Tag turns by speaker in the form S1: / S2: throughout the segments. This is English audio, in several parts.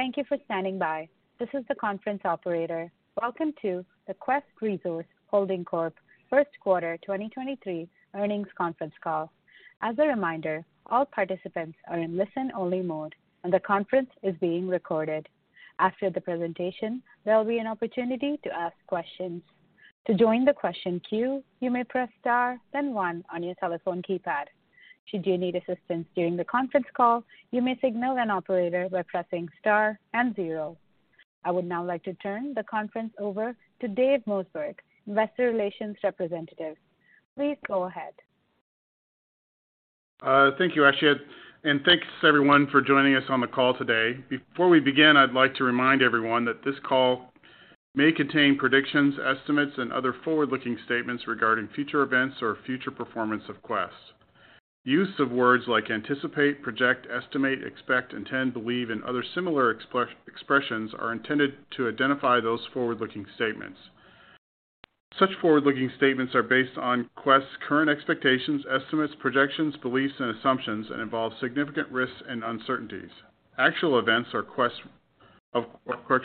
S1: Thank you for standing by. This is the conference operator. Welcome to the Quest Resource Holding Corp First Quarter 2023 Earnings Conference Call. As a reminder, all participants are in listen-only mode, and the conference is being recorded. After the presentation, there will be an opportunity to ask questions. To join the question queue, you may press star, then one on your telephone keypad. Should you need assistance during the conference call, you may signal an operator by presssng star and zero. I would now like to turn the conference over to Dave Mossberg, investor relations representative. Please go ahead.
S2: Thank you, Ashley, and thanks, everyone for joining us on the call today. Before we begin, I'd like to remind everyone that this call may contain predictions, estimates, and other forward-looking statements regarding future events or future performance of Quest. Use of words like anticipate, project, estimate, expect, intend, believe, and other similar expressions are intended to identify those forward-looking statements. Such forward-looking statements are based on Quest's current expectations, estimates, projections, beliefs, and assumptions and involve significant risks and uncertainties. Actual events or Quest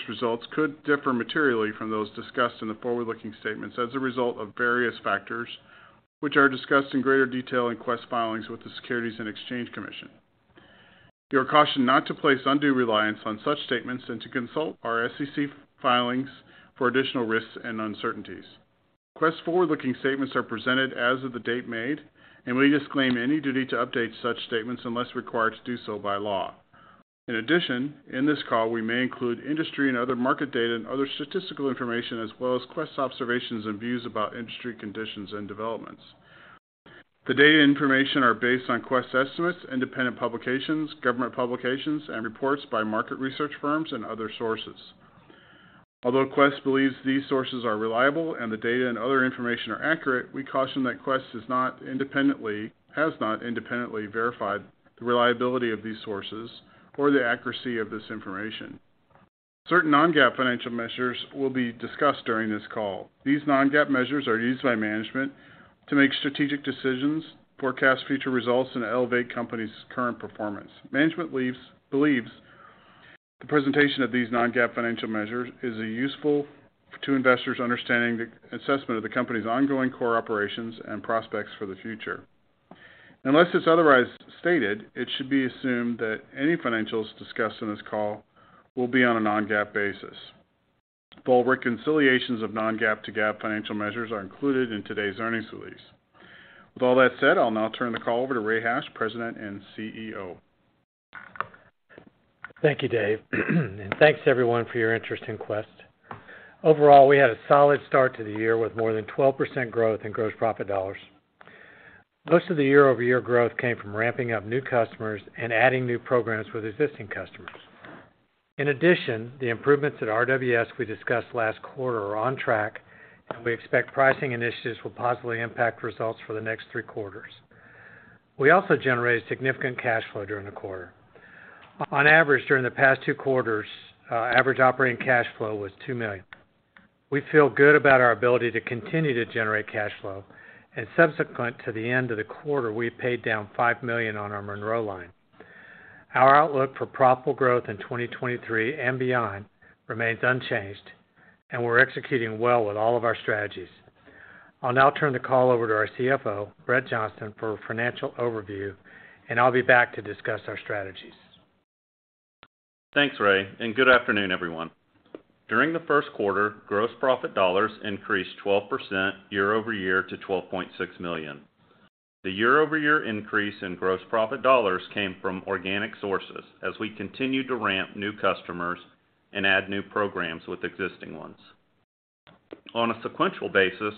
S2: results could differ materially from those discussed in the forward-looking statements as a result of various factors, which are discussed in greater detail in Quest filings with the Securities and Exchange Commission. You are cautioned not to place undue reliance on such statements and to consult our SEC filings for additional risks and uncertainties. Quest's forward-looking statements are presented as of the date made, and we disclaim any duty to update such statements unless required to do so by law. In addition, in this call, we may include industry and other market data and other statistical information, as well as Quest observations and views about industry conditions and developments. The data information are based on Quest estimates, independent publications, government publications, and reports by market research firms and other sources. Although Quest believes these sources are reliable and the data and other information are accurate, we caution that Quest has not independently verified the reliability of these sources or the accuracy of this information. Certain non-GAAP financial measures will be discussed during this call. These non-GAAP measures are used by management to make strategic decisions, forecast future results, and elevate company's current performance. Management believes the presentation of these non-GAAP financial measures is a useful to investors understanding the assessment of the company's ongoing core operations and prospects for the future. Unless it's otherwise stated, it should be assumed that any financials discussed on this call will be on a non-GAAP basis. Full reconciliations of non-GAAP to GAAP financial measures are included in today's earnings release. With all that said, I'll now turn the call over to Ray Hatch, President and CEO.
S3: Thank you, Dave, thanks, everyone, for your interest in Quest. Overall, we had a solid start to the year with more than 12% growth in gross profit dollars. Most of the year-over-year growth came from ramping up new customers and adding new programs with existing customers. In addition, the improvements at RWS we discussed last quarter are on track, and we expect pricing initiatives will positively impact results for the next three quarters. We also generated significant cash flow during the quarter. On average, during the past two quarters, average operating cash flow was $2 million. We feel good about our ability to continue to generate cash flow, and subsequent to the end of the quarter, we paid down $5 million on our Monroe line. Our outlook for profitable growth in 2023 and beyond remains unchanged, and we're executing well with all of our strategies. I'll now turn the call over to our CFO, Brett Johnston, for a financial overview, and I'll be back to discuss our strategies.
S4: Thanks, Ray. Good afternoon, everyone. During the first quarter, gross profit dollars increased 12% year-over-year to $12.6 million. The year-over-year increase in gross profit dollars came from organic sources as we continued to ramp new customers and add new programs with existing ones. On a sequential basis,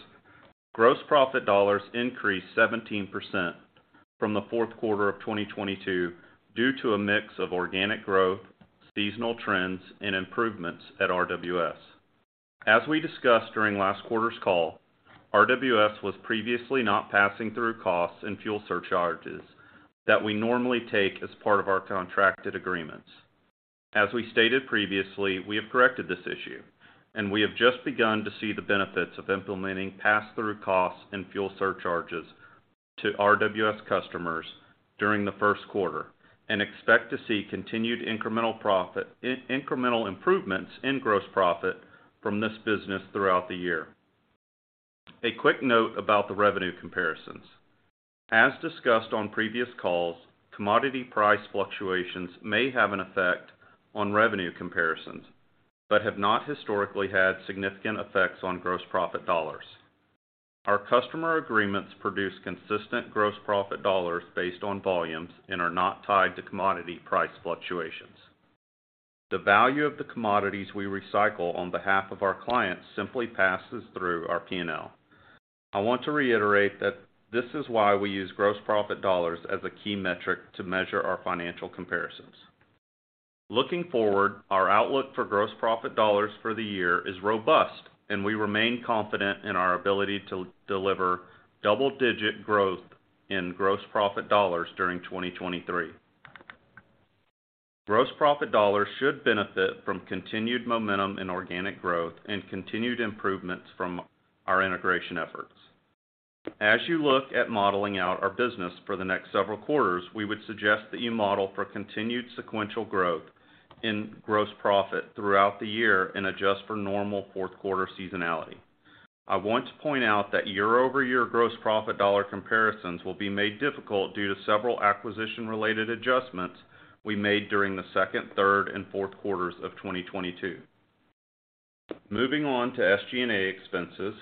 S4: gross profit dollars increased 17% from the fourth quarter of 2022 due to a mix of organic growth, seasonal trends, and improvements at RWS. As we discussed during last quarter's call, RWS was previously not passing through costs and fuel surcharges that we normally take as part of our contracted agreements. As we stated previously, we have corrected this issue, and we have just begun to see the benefits of implementing pass-through costs and fuel surcharges to RWS customers during the first quarter and expect to see continued incremental improvements in gross profit from this business throughout the year. A quick note about the revenue comparisons. As discussed on previous calls, commodity price fluctuations may have an effect on revenue comparisons but have not historically had significant effects on gross profit dollars. Our customer agreements produce consistent gross profit dollars based on volumes and are not tied to commodity price fluctuations. The value of the commodities we recycle on behalf of our clients simply passes through our P&L. I want to reiterate that this is why we use gross profit dollars as a key metric to measure our financial comparisons. Looking forward, our outlook for gross profit dollars for the year is robust, and we remain confident in our ability to deliver double-digit growth in gross profit dollars during 2023. Gross profit dollars should benefit from continued momentum and organic growth and continued improvements from our integration efforts. As you look at modeling out our business for the next several quarters, we would suggest that you model for continued sequential growth in gross profit throughout the year and adjust for normal fourth quarter seasonality. I want to point out that year-over-year gross profit dollar comparisons will be made difficult due to several acquisition-related adjustments we made during the second, third, and fourth quarters of 2022. Moving on to SG&A expenses,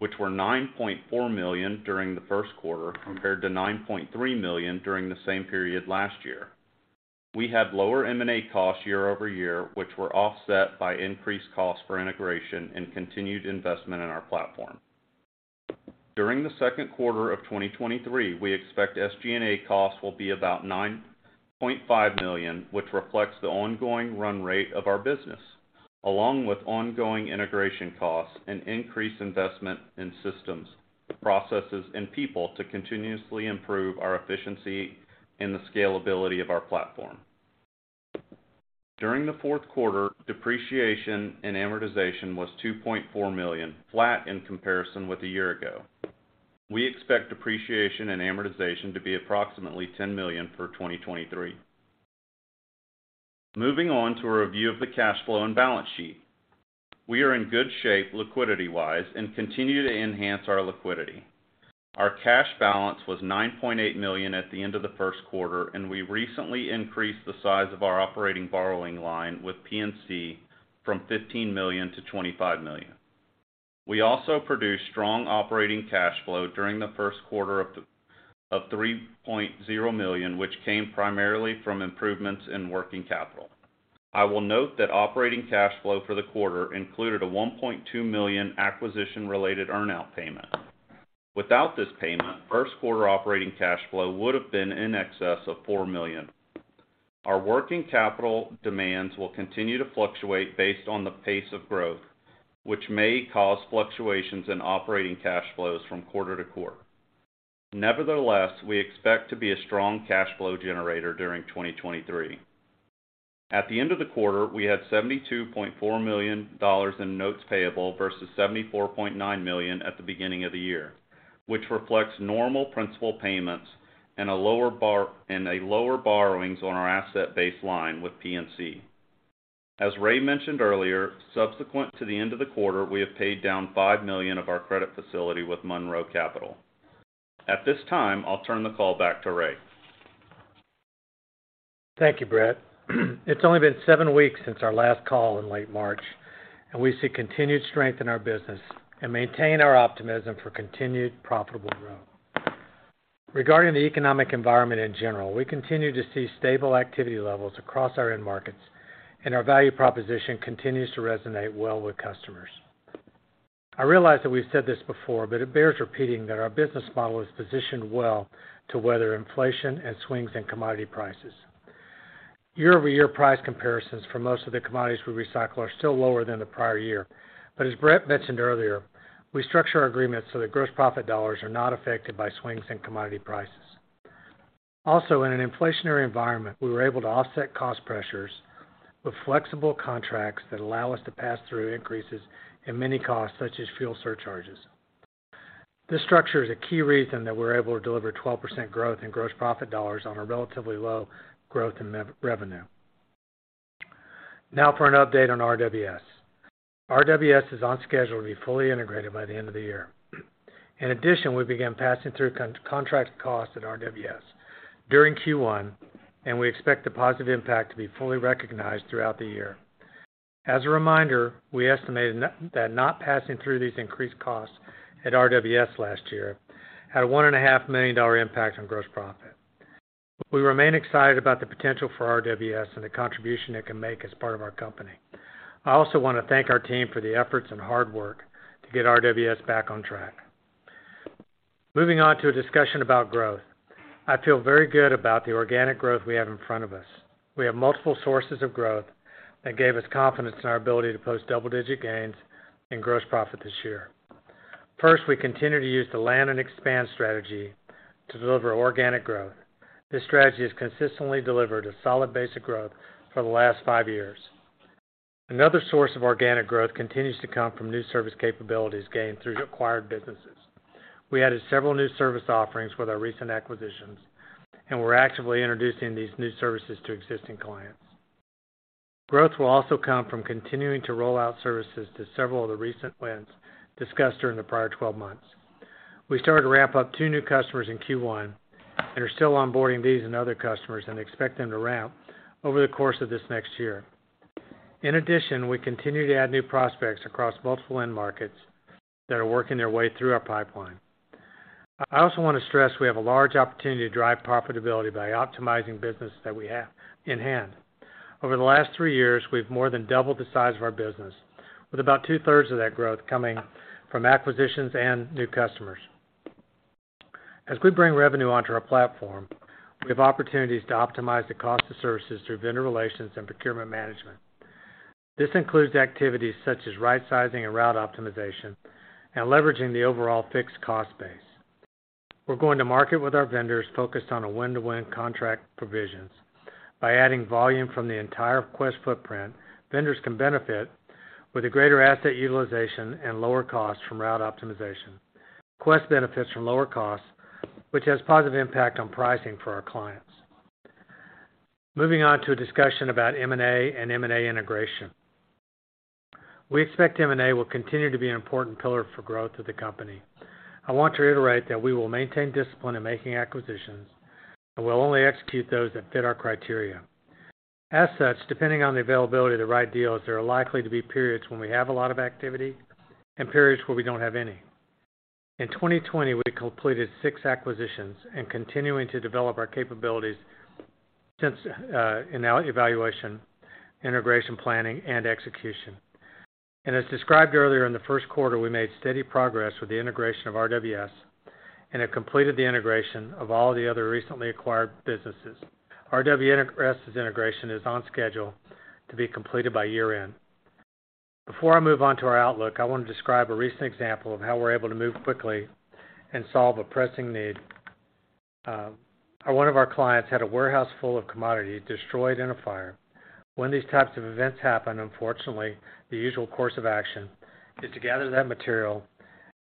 S4: which were $9.4 million during the first quarter compared to $9.3 million during the same period last year. We had lower M&A costs year-over-year, which were offset by increased costs for integration and continued investment in our platform. During the second quarter of 2023, we expect SG&A costs will be about $9.5 million, which reflects the ongoing run rate of our business, along with ongoing integration costs and increased investment in systems, processes, and people to continuously improve our efficiency and the scalability of our platform. During the fourth quarter, depreciation and amortization was $2.4 million, flat in comparison with a year ago. We expect depreciation and amortization to be approximately $10 million for 2023. Moving on to a review of the cash flow and balance sheet. We are in good shape liquidity-wise and continue to enhance our liquidity. Our cash balance was $9.8 million at the end of Q1, and we recently increased the size of our operating borrowing line with PNC from $15 million to $25 million. We also produced strong operating cash flow during Q1 of $3.0 million, which came primarily from improvements in working capital. I will note that operating cash flow for the quarter included a $1.2 million acquisition-related earn out payment. Without this payment, Q1 operating cash flow would have been in excess of $4 million. Our working capital demands will continue to fluctuate based on the pace of growth, which may cause fluctuations in operating cash flows from quarter to quarter. Nevertheless, we expect to be a strong cash flow generator during 2023. At the end of the quarter, we had $72.4 million in notes payable versus $74.9 million at the beginning of the year, which reflects normal principal payments and a lower borrowings on our asset-based line with PNC. As Ray mentioned earlier, subsequent to the end of the quarter, we have paid down $5 million of our credit facility with Monroe Capital. At this time, I'll turn the call back to Ray.
S3: Thank you, Brett. It's only been seven weeks since our last call in late March. We see continued strength in our business and maintain our optimism for continued profitable growth. Regarding the economic environment in general, we continue to see stable activity levels across our end markets. Our value proposition continues to resonate well with customers. I realize that we've said this before, it bears repeating that our business model is positioned well to weather inflation and swings in commodity prices. Year-over-year price comparisons for most of the commodities we recycle are still lower than the prior year. As Brett mentioned earlier, we structure our agreements so that gross profit dollars are not affected by swings in commodity prices. Also, in an inflationary environment, we were able to offset cost pressures with flexible contracts that allow us to pass through increases in many costs, such as fuel surcharges. This structure is a key reason that we're able to deliver 12% growth in gross profit dollars on a relatively low growth in revenue. Now for an update on RWS. RWS is on schedule to be fully integrated by the end of the year. In addition, we began passing through contract costs at RWS during Q1, and we expect the positive impact to be fully recognized throughout the year. As a reminder, we estimated that not passing through these increased costs at RWS last year had a $1.5 million impact on gross profit. We remain excited about the potential for RWS and the contribution it can make as part of our company. I also want to thank our team for the efforts and hard work to get RWS back on track. Moving on to a discussion about growth. I feel very good about the organic growth we have in front of us. We have multiple sources of growth that gave us confidence in our ability to post double-digit gains in gross profit this year. First, we continue to use the land and expand strategy to deliver organic growth. This strategy has consistently delivered a solid basic growth for the last five years. Another source of organic growth continues to come from new service capabilities gained through acquired businesses. We added several new service offerings with our recent acquisitions, and we're actively introducing these new services to existing clients. Growth will also come from continuing to roll out services to several of the recent wins discussed during the prior 12 months. We started to ramp up two new customers in Q1 and are still onboarding these and other customers and expect them to ramp over the course of this next year. We continue to add new prospects across multiple end markets that are working their way through our pipeline. I also want to stress we have a large opportunity to drive profitability by optimizing business that we have in hand. Over the last three years, we've more than doubled the size of our business with about two-thirds of that growth coming from acquisitions and new customers. As we bring revenue onto our platform, we have opportunities to optimize the cost of services through vendor relations and procurement management. This includes activities such as right-sizing and route optimization and leveraging the overall fixed cost base. We're going to market with our vendors focused on a win-to-win contract provisions. By adding volume from the entire Quest footprint, vendors can benefit with a greater asset utilization and lower costs from route optimization. Quest benefits from lower costs, which has positive impact on pricing for our clients. Moving on to a discussion about M&A and M&A integration. We expect M&A will continue to be an important pillar for growth of the company. I want to reiterate that we will maintain discipline in making acquisitions, and we'll only execute those that fit our criteria. As such, depending on the availability of the right deals, there are likely to be periods when we have a lot of activity and periods where we don't have any. In 2020, we completed six acquisitions and continuing to develop our capabilities since in our evaluation, integration, planning, and execution. As described earlier in the first quarter, we made steady progress with the integration of RWS and have completed the integration of all the other recently acquired businesses. RWS's integration is on schedule to be completed by year-end. Before I move on to our outlook, I want to describe a recent example of how we're able to move quickly and solve a pressing need. One of our clients had a warehouse full of commodity destroyed in a fire. When these types of events happen, unfortunately, the usual course of action is to gather that material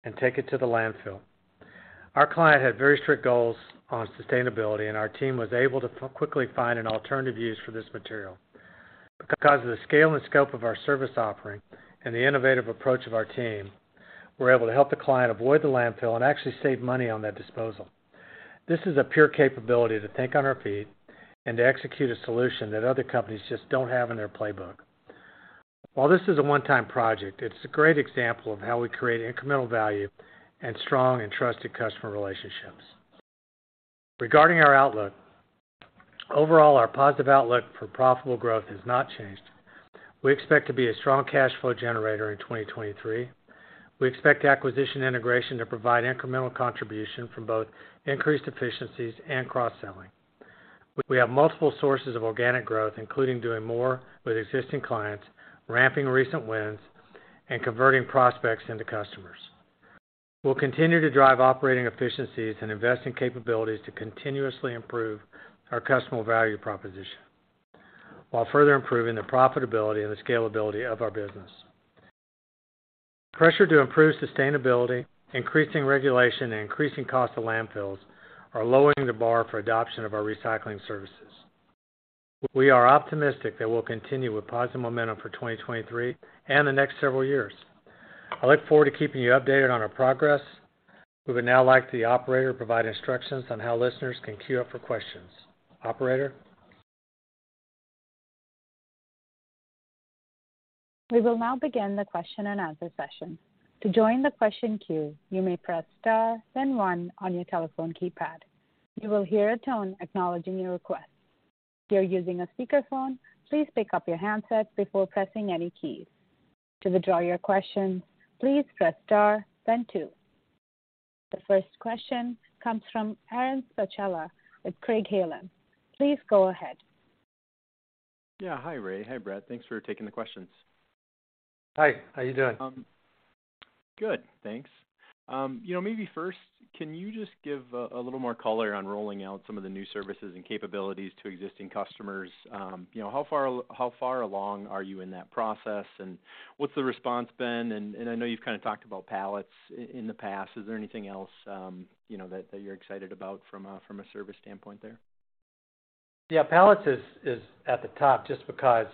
S3: and take it to the landfill. Our client had very strict goals on sustainability, and our team was able to quickly find an alternative use for this material. Because of the scale and scope of our service offering and the innovative approach of our team, we're able to help the client avoid the landfill and actually save money on that disposal. This is a pure capability to think on our feet and to execute a solution that other companies just don't have in their playbook. While this is a one-time project, it's a great example of how we create incremental value and strong and trusted customer relationships. Regarding our outlook, overall, our positive outlook for profitable growth has not changed. We expect to be a strong cash flow generator in 2023. We expect acquisition integration to provide incremental contribution from both increased efficiencies and cross-selling. We have multiple sources of organic growth, including doing more with existing clients, ramping recent wins, and converting prospects into customers. We'll continue to drive operating efficiencies and invest in capabilities to continuously improve our customer value proposition while further improving the profitability and the scalability of our business. Pressure to improve sustainability, increasing regulation, and increasing cost of landfills are lowering the bar for adoption of our recycling services. We are optimistic that we'll continue with positive momentum for 2023 and the next several years. I look forward to keeping you updated on our progress. We would now like the operator to provide instructions on how listeners can queue up for questions. Operator?
S1: We will now begin the question-and-answer session. To join the question queue, you may press star, then one on your telephone keypad. You will hear a tone acknowledging your request. If you're using a speakerphone, please pick up your handset before pressing any keys. To withdraw your question, please press star then two. The first question comes from Aaron Spychalla with Craig-Hallum. Please go ahead.
S5: Yeah. Hi, Ray. Hi, Brett. Thanks for taking the questions.
S3: Hi, how you doing?
S5: Good, thanks. You know, maybe first, can you just give a little more color on rolling out some of the new services and capabilities to existing customers? You know, how far along are you in that process, and what's the response been? I know you've kind of talked about pallets in the past. Is there anything else, you know, that you're excited about from a service standpoint there?
S3: Yeah, pallets is at the top just because,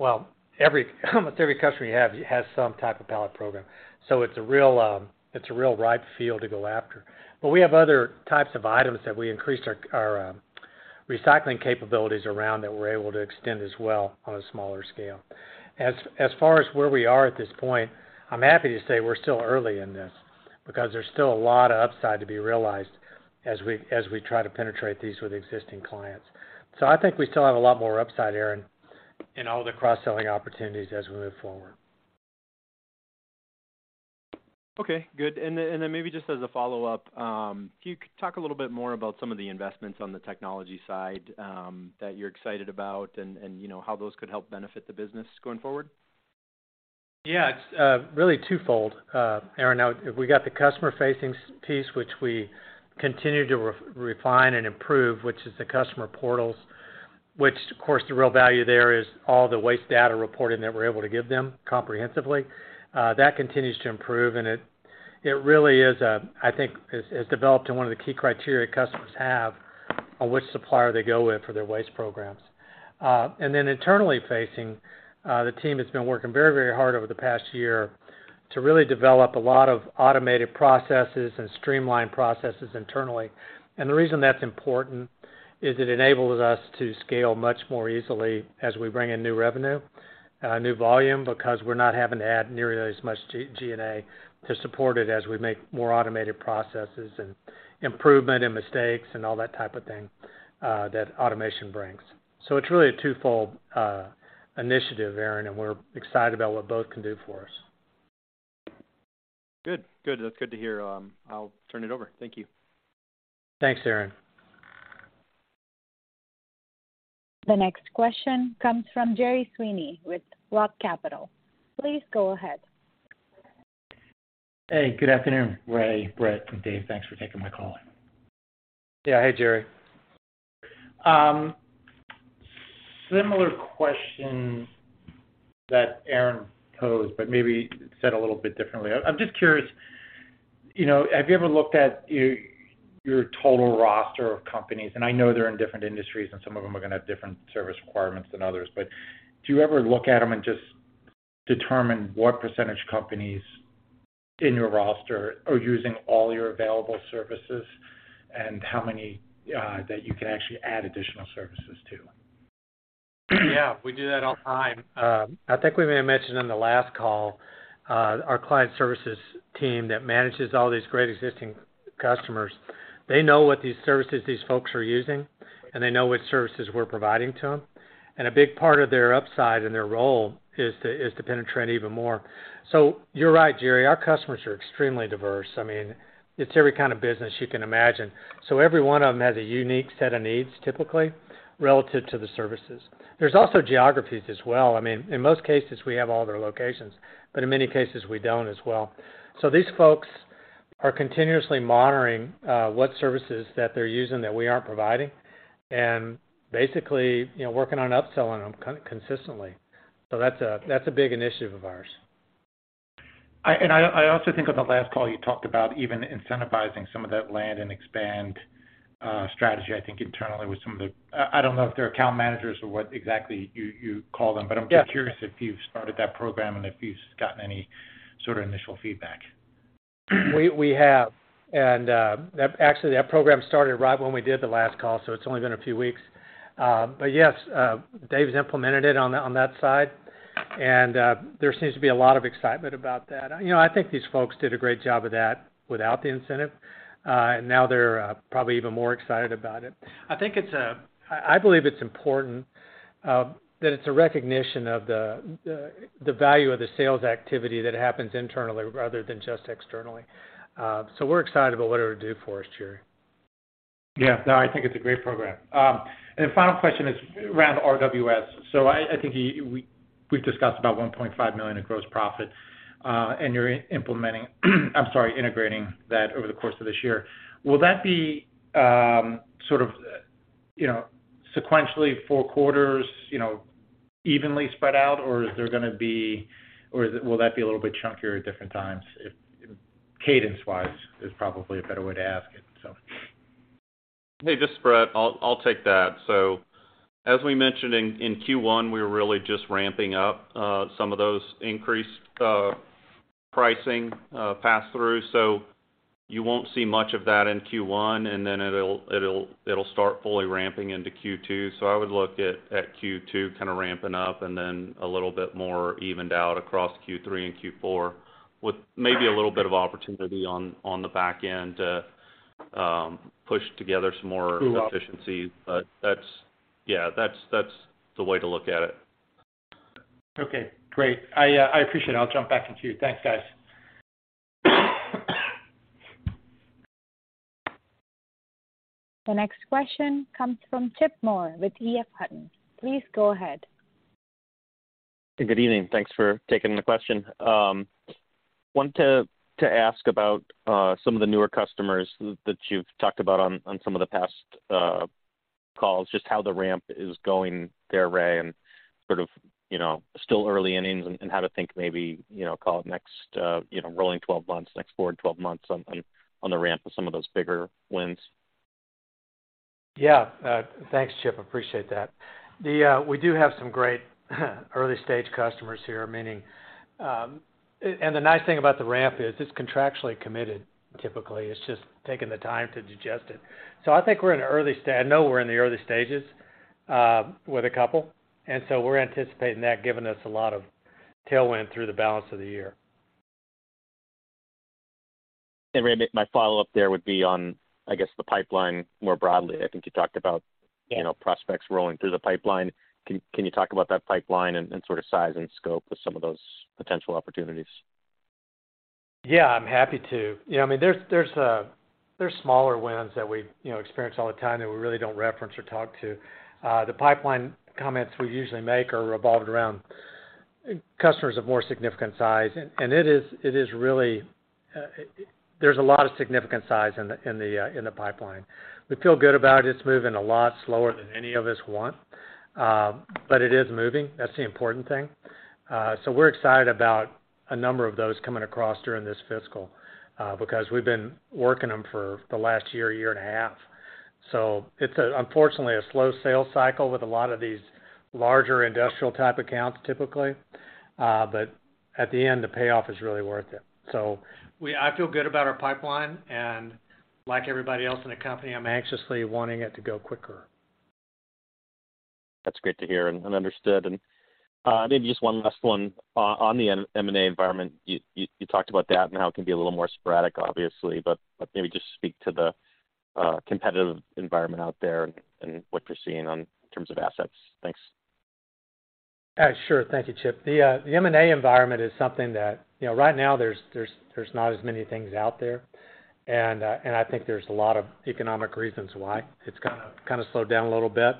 S3: well, every almost every customer you have has some type of pallet program. It's a real ripe field to go after. We have other types of items that we increased our recycling capabilities around that we're able to extend as well on a smaller scale. As far as where we are at this point, I'm happy to say we're still early in this because there's still a lot of upside to be realized as we try to penetrate these with existing clients. I think we still have a lot more upside, Aaron, in all the cross-selling opportunities as we move forward.
S5: Okay, good. Then maybe just as a follow-up, can you talk a little bit more about some of the investments on the technology side, that you're excited about and you know, how those could help benefit the business going forward?
S3: It's really twofold, Aaron. Now we got the customer-facing piece, which we continue to refine and improve, which is the customer portals. Which of course the real value there is all the waste data reporting that we're able to give them comprehensively. That continues to improve, and it really is a, I think, has developed in one of the key criteria customers have on which supplier they go with for their waste programs. Internally facing, the team has been working very, very hard over the past year to really develop a lot of automated processes and streamline processes internally. The reason that's important is it enables us to scale much more easily as we bring in new revenue, new volume, because we're not having to add nearly as much G&A to support it as we make more automated processes and improvement and mistakes and all that type of thing that automation brings. It's really a twofold initiative, Aaron, and we're excited about what both can do for us.
S5: Good. Good. That's good to hear. I'll turn it over. Thank you.
S3: Thanks, Aaron.
S1: The next question comes from Gerry Sweeney with ROTH Capital. Please go ahead.
S6: Hey, good afternoon, Ray, Brett, and Dave. Thanks for taking my call.
S3: Yeah. Hey, Gerry.
S6: Similar question that Aaron posed, but maybe said a little bit differently. I'm just curious, you know, have you ever looked at your total roster of companies? I know they're in different industries, and some of them are gonna have different service requirements than others, but do you ever look at them and just determine what % companies in your roster are using all your available services and how many that you can actually add additional services to?
S3: Yeah, we do that all the time. I think we may have mentioned on the last call, our client services team that manages all these great existing customers, they know what these services these folks are using, and they know what services we're providing to them. A big part of their upside and their role is to penetrate even more. You're right, Gerry, our customers are extremely diverse. I mean, it's every kind of business you can imagine. Every one of them has a unique set of needs, typically, relative to the services. There's also geographies as well. I mean, in most cases, we have all their locations, but in many cases, we don't as well. These folks are continuously monitoring what services that they're using that we aren't providing and basically, you know, working on upselling them consistently. That's a big initiative of ours.
S6: I also think on the last call, you talked about even incentivizing some of that land and expand strategy, I think internally with some of the... I don't know if they're account managers or what exactly you call them.
S3: Yeah.
S6: I'm just curious if you've started that program and if you've gotten any sort of initial feedback.
S3: We have. Actually, that program started right when we did the last call, so it's only been a few weeks. Yes, Dave's implemented it on that side, and there seems to be a lot of excitement about that. You know, I think these folks did a great job of that without the incentive, and now they're probably even more excited about it. I think it's... I believe it's important that it's a recognition of the value of the sales activity that happens internally rather than just externally. We're excited about what it would do for us, Gerry.
S6: Yeah. No, I think it's a great program. Final question is around RWS. I think we've discussed about $1.5 million in gross profit, and you're integrating that over the course of this year. Will that be, sort of, you know, sequentially four quarters, you know, evenly spread out, or will that be a little bit chunkier at different times? Cadence-wise is probably a better way to ask it.
S4: Hey, just Brett. I'll take that. As we mentioned in Q1, we're really just ramping up some of those increased pricing pass-through. You won't see much of that in Q1, and then it'll start fully ramping into Q2. I would look at Q2 kinda ramping up and then a little bit more evened out across Q3 and Q4, with maybe a little bit of opportunity on the back end to push together some more efficiency. That's, yeah. That's the way to look at it.
S6: Okay, great. I appreciate it. I'll jump back in queue. Thanks, guys.
S1: The next question comes from Chip Moore with EF Hutton. Please go ahead.
S7: Good evening. Thanks for taking the question. wanted to ask about some of the newer customers that you've talked about on some of the past calls, just how the ramp is going there, Ray, and sort of, you know, still early innings and how to think maybe, you know, call it next, you know, rolling 12 months, next forward 12 months on the ramp of some of those bigger wins.
S3: Yeah. Thanks, Chip. Appreciate that. The we do have some great early-stage customers here, meaning. The nice thing about the ramp is it's contractually committed, typically. It's just taking the time to digest it. I know we're in the early stages with a couple. We're anticipating that giving us a lot of tailwind through the balance of the year.
S7: Ray, my follow-up there would be on, I guess, the pipeline more broadly. I think you talked about.
S3: Yeah.
S7: You know, prospects rolling through the pipeline. Can you talk about that pipeline and sort of size and scope of some of those potential opportunities?
S3: Yeah, I'm happy to. You know, I mean, there's smaller wins that we, you know, experience all the time that we really don't reference or talk to. The pipeline comments we usually make are revolved around customers of more significant size. It is really, there's a lot of significant size in the pipeline. We feel good about it. It's moving a lot slower than any of us want, but it is moving. That's the important thing. We're excited about a number of those coming across during this fiscal because we've been working them for the last year and a half. It's, unfortunately, a slow sales cycle with a lot of these larger industrial type accounts, typically. At the end, the payoff is really worth it. I feel good about our pipeline, and like everybody else in the company, I'm anxiously wanting it to go quicker.
S7: That's great to hear, and understood. Maybe just one last one. On the M&A environment, you talked about that and how it can be a little more sporadic, obviously, but maybe just speak to the competitive environment out there and what you're seeing on terms of assets. Thanks.
S3: Sure. Thank you, Chip. The M&A environment is something that. You know, right now there's not as many things out there, and I think there's a lot of economic reasons why it's kinda slowed down a little bit,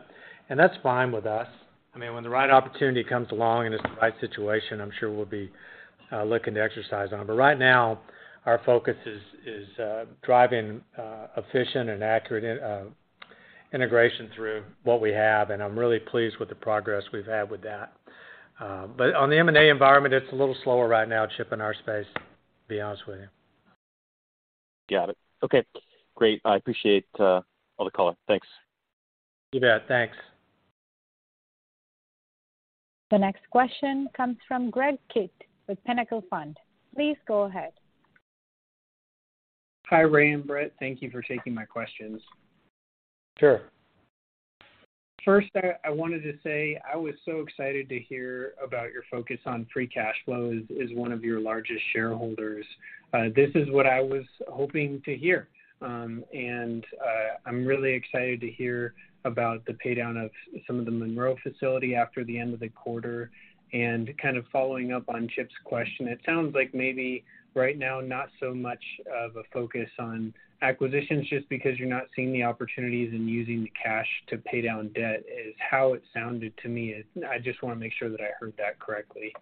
S3: and that's fine with us. I mean, when the right opportunity comes along and it's the right situation, I'm sure we'll be looking to exercise on. Right now, our focus is driving efficient and accurate integration through what we have, and I'm really pleased with the progress we've had with that. On the M&A environment, it's a little slower right now, Chip, in our space, to be honest with you.
S8: Got it. Okay, great. I appreciate all the color. Thanks.
S3: You bet. Thanks.
S1: The next question comes from Greg Kitt with Pinnacle Fund. Please go ahead.
S9: Hi, Ray and Brett. Thank you for taking my questions.
S3: Sure.
S9: First, I wanted to say I was so excited to hear about your focus on free cash flow as one of your largest shareholders. This is what I was hoping to hear. And I'm really excited to hear about the paydown of some of the Monroe facility after the end of the quarter. Kind of following up on Chip's question, it sounds like maybe right now not so much of a focus on acquisitions just because you're not seeing the opportunities in using the cash to pay down debt is how it sounded to me. I just wanna make sure that I heard that correctly?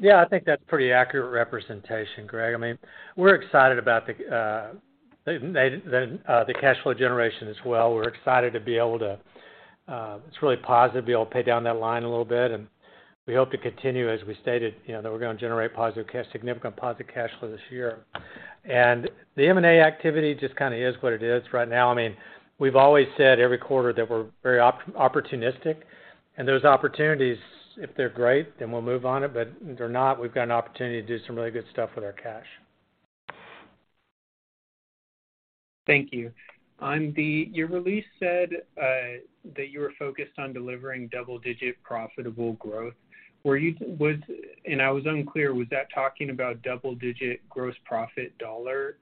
S3: I think that's a pretty accurate representation, Greg. I mean, we're excited about the cash flow generation as well. We're excited to be able to. It's really positive we'll pay down that line a little bit, and we hope to continue. As we stated, you know, that we're going to generate significant positive cash flow this year. The M&A activity just kind of is what it is right now. I mean, we've always said every quarter that we're very opportunistic, and those opportunities, if they're great, then we'll move on it. If they're not, we've got an opportunity to do some really good stuff with our cash.
S9: Thank you. I was unclear, was that talking about double-digit gross profit dollar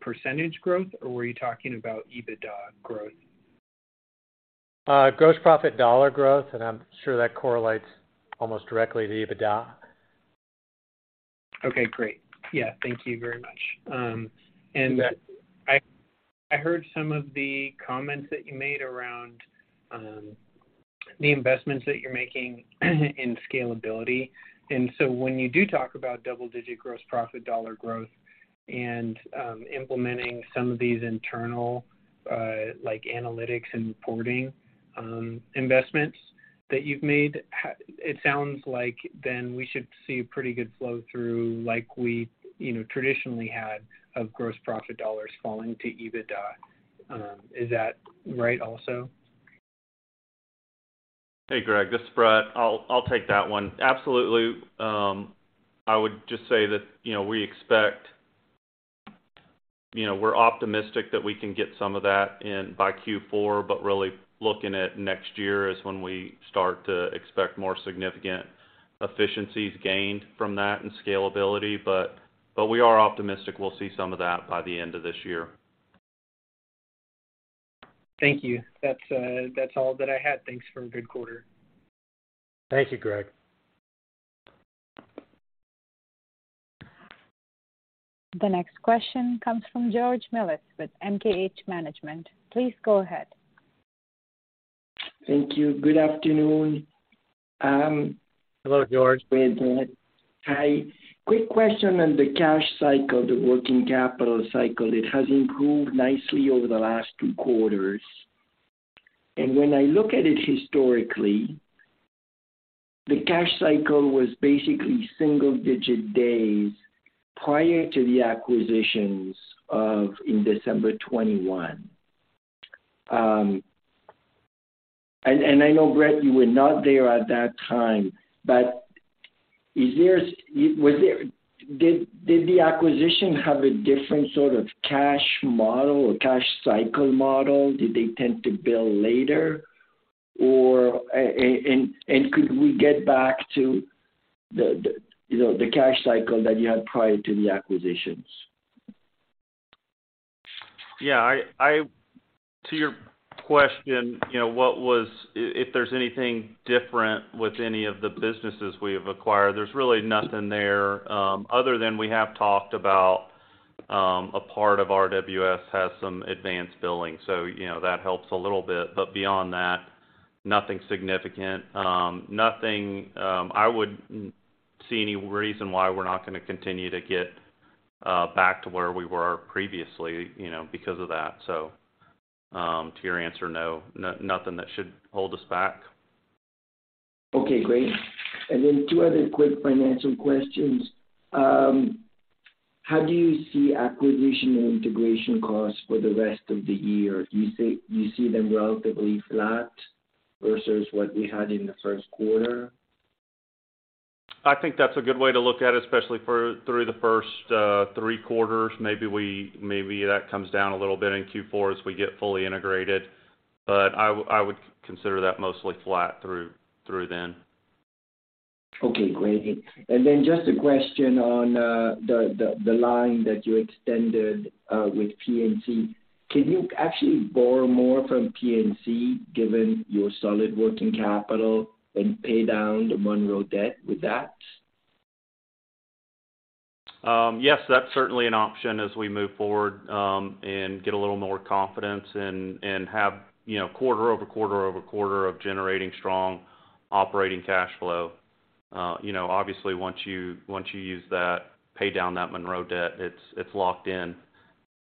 S9: percentage growth, or were you talking about EBITDA growth?
S3: Gross profit dollar growth, and I'm sure that correlates almost directly to EBITDA.
S9: Okay, great. Yeah, thank you very much.
S3: You bet.
S9: I heard some of the comments that you made around the investments that you're making in scalability. When you do talk about double-digit gross profit dollar growth and implementing some of these internal like analytics and reporting investments that you've made, it sounds like then we should see pretty good flow through like we, you know, traditionally had of gross profit dollars falling to EBITDA. Is that right also?
S4: Hey, Greg, this is Brett. I'll take that one. Absolutely, I would just say that, you know, we're optimistic that we can get some of that in by Q4, really looking at next year is when we start to expect more significant efficiencies gained from that and scalability. We are optimistic we'll see some of that by the end of this year.
S9: Thank you. That's all that I had. Thanks for a good quarter.
S3: Thank you, Greg.
S1: The next question comes from George Melas-Kyriazi with MKH Management. Please go ahead.
S10: Thank you. Good afternoon.
S3: Hello, George.
S10: Hi. Quick question on the cash cycle, the working capital cycle. It has improved nicely over the last two quarters. When I look at it historically, the cash cycle was basically single-digit days prior to the acquisitions of in December 2021. I know, Brett, you were not there at that time, but did the acquisition have a different sort of cash model or cash cycle model? Did they tend to bill later? And could we get back to the, you know, the cash cycle that you had prior to the acquisitions?
S4: Yeah. To your question, you know, what was if there's anything different with any of the businesses we have acquired, there's really nothing there, other than we have talked about, a part of RWS has some advanced billing, so, you know, that helps a little bit. Beyond that, nothing significant. Nothing. I wouldn't see any reason why we're not gonna continue to get back to where we were previously, you know, because of that. To your answer, no. Nothing that should hold us back.
S10: Okay, great. Two other quick financial questions. How do you see acquisition and integration costs for the rest of the year? Do you see them relatively flat versus what we had in the first quarter?
S4: I think that's a good way to look at it, especially for through the first three quarters. Maybe that comes down a little bit in Q4 as we get fully integrated. I would consider that mostly flat through then.
S10: Okay, great. Just a question on the line that you extended with PNC. Can you actually borrow more from PNC, given your solid working capital and pay down the Monroe debt with that?
S4: Yes, that's certainly an option as we move forward, and get a little more confidence and have, you know, quarter-over-quarter, over quarter of generating strong operating cash flow. You know, obviously once you use that, pay down that Monroe debt, it's locked in,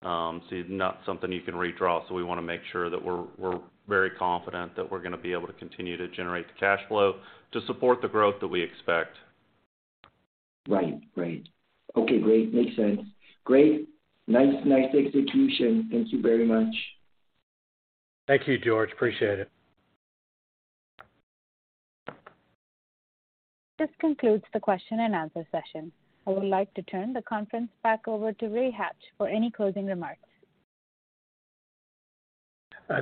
S4: so it's not something you can redraw. We wanna make sure that we're very confident that we're gonna be able to continue to generate the cash flow to support the growth that we expect.
S10: Right. Right. Okay, great. Makes sense. Great. Nice, nice execution. Thank you very much.
S3: Thank you, George. Appreciate it.
S1: This concludes the question and answer session. I would like to turn the conference back over to Ray Hatch for any closing remarks.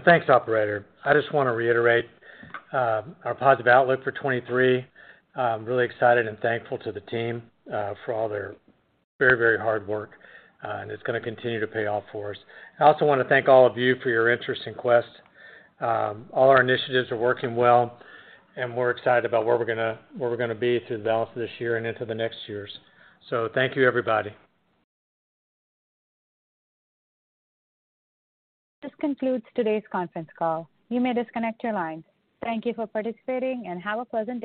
S3: Thanks, operator. I just wanna reiterate our positive outlook for 2023. I'm really excited and thankful to the team for all their very hard work. It's gonna continue to pay off for us. I also wanna thank all of you for your interest in Quest. All our initiatives are working well, and we're excited about where we're gonna be through the balance of this year and into the next years. Thank you, everybody.
S1: This concludes today's conference call. You may disconnect your lines. Thank you for participating and have a pleasant day.